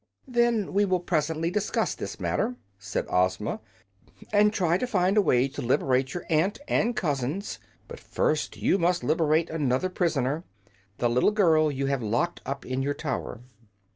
"Then we will presently discuss this matter," said Ozma, "and try to find a way to liberate your aunt and cousins. But first you must liberate another prisoner the little girl you have locked up in your tower."